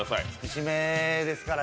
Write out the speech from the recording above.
節目ですから。